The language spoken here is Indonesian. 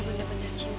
gagal banget sih